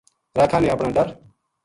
راکھاں نے اپنا ڈر